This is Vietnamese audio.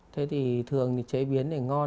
thế thì thường thì chế biến để ngon